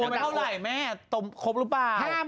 โอนไปเท่าไหร่แม่โดมครบรู้ป่าว